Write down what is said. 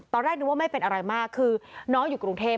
ตอนแรกนึกว่าไม่เป็นอะไรมากคือน้องอยู่กรุงเทพ